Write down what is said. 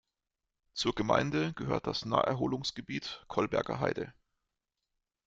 Zur Gemeinde gehört das Naherholungsgebiet Kolberger Heide.